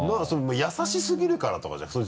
優しすぎるからとかじゃなくて？